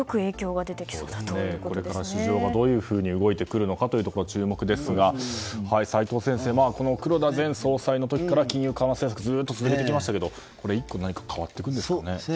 これから市場がどう動いてくるか注目ですが、齋藤先生黒田前総裁の時から金融緩和政策をずっと続けてきましたけど１個何か変わってくるんですかね。